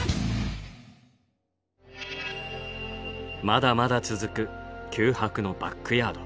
まだまだ続く九博のバックヤード。